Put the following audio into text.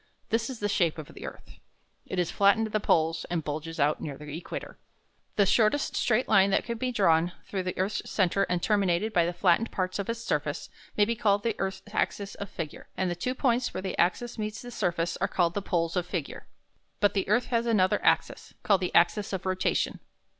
This is the shape of the earth. It is flattened at the poles and bulges out near the equator. The shortest straight line that can be drawn through the earth's centre and terminated by the flattened parts of its surface may be called the earth's axis of figure; and the two points where this axis meets the surface are called the poles of figure. But the earth has another axis, called the axis of rotation.